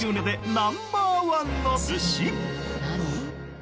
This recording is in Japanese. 何？